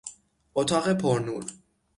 اتاق پرنور